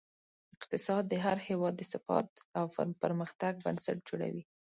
اقتصاد د هر هېواد د ثبات او پرمختګ بنسټ جوړوي.